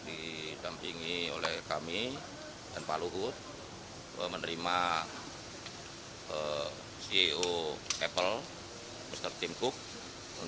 ada masih banyak yang tidak bisa diperlukan